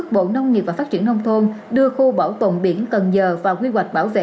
bộ nông nghiệp và phát triển nông thôn đưa khu bảo tồn biển cần giờ vào quy hoạch bảo vệ